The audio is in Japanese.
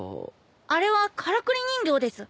あれはからくり人形です。